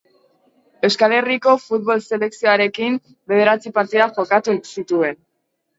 Euskal Herriko futbol selekzioarekin bederatzi partida jokatu zituen.